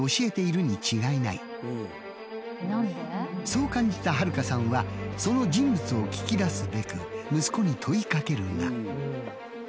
そう感じた春香さんはその人物を聞き出すべく息子に問いかけるが。